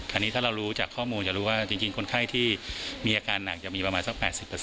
อันนี้ถ้าเรารู้จากข้อมูลจะรู้ว่าจริงคนไข้ที่มีอาการหนักจะมีประมาณสัก๘๐